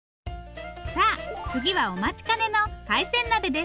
さあ次はお待ちかねの海鮮鍋です。